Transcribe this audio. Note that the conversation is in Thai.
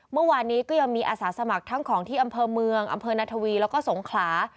เมื่อวานนี้ก็ยังมีอาสาสมัครทั้งของที่อำเภอเมืองอำเภอนาธวีแล้วก็สงขลา